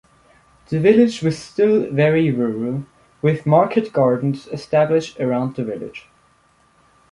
The village was still very rural, with market gardens established around the village.